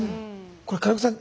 これ金子さん